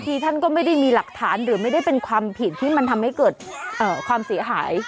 ท่านก็ไม่ได้มีหลักฐานหรือไม่ได้เป็นความผิดที่มันทำให้เกิดความเสียหาย